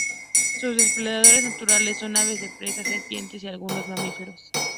Sus depredadores naturales son aves de presa, serpientes y algunos mamíferos.